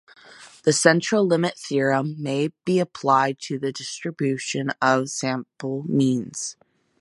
The central limit theorem may be applied to the distribution of the sample means.